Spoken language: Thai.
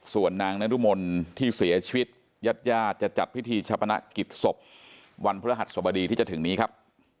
ส่วนนางนรมนที่เสียชีวิตญาติญาติจะจัดพิธีชะพนักกิจศพวันพฤหัสสบดีที่จะถึงนี้ครับ